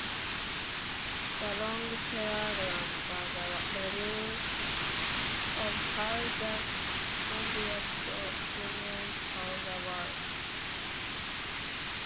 The "Long Telegram" was a review of how the Soviet Union saw the world.